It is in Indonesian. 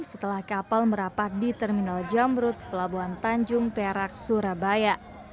setelah kapal merapat di terminal jamrut pelabuhan tanjung perak surabaya